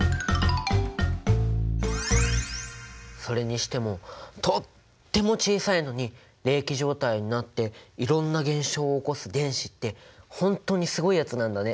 それにしてもとっても小さいのに励起状態になっていろんな現象を起こす電子ってほんとにすごいやつなんだね。